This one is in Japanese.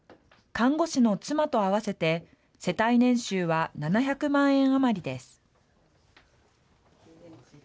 看護師の妻と合わせて、世帯年収は７００万円余りです。